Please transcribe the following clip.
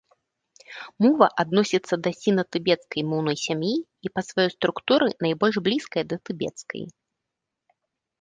Мова адносіцца да сіна-тыбецкай моўнай сям'і і па сваёй структуры найбольш блізкая да тыбецкай.